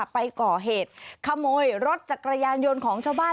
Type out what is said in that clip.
ไปก่อเหตุขโมยรถจักรยานยนต์ของชาวบ้าน